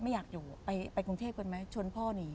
ไม่อยากอยู่ไปกรุงเทพกันไหมชนพ่อหนี